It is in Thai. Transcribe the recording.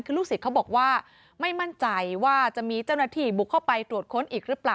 คือลูกศิษย์เขาบอกว่าไม่มั่นใจว่าจะมีเจ้าหน้าที่บุกเข้าไปตรวจค้นอีกหรือเปล่า